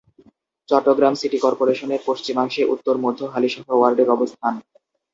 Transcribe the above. Chittagong city কর্পোরেশনের পশ্চিমাংশে উত্তর মধ্য হালিশহর ওয়ার্ডের অবস্থান।